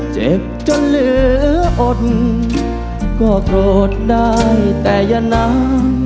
เจ็บจนเหลืออดก็โกรธได้แต่อย่าน้ำ